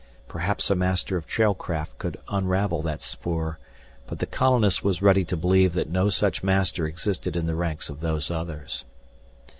Perhaps a master of trailcraft could unravel that spoor, but the colonist was ready to believe that no such master existed in the ranks of Those Others.